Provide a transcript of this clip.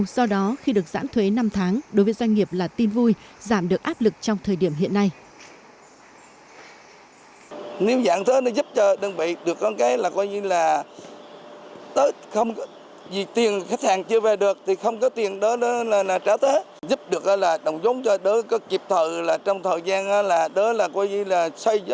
do đó khi được giãn thuế năm tháng đối với doanh nghiệp là tin vui giảm được áp lực trong thời điểm hiện nay